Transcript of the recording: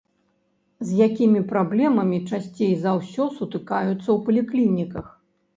З якімі праблемамі часцей за ўсё сутыкаюцца ў паліклініках?